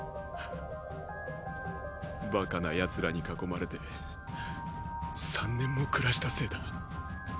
バカな奴らに囲まれて３年も暮らしたせいだ。